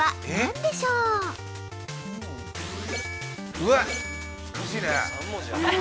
◆うわっ、厳しいね。